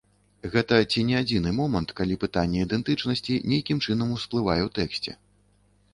Гэта ці не адзіны момант, калі пытанне ідэнтычнасці нейкім чынам усплывае ў тэксце.